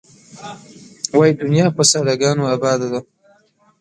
وایې دنیا په ساده ګانو آباده ده.